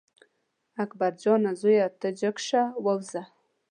اکبر جانه زویه ته جګ شه ووځه.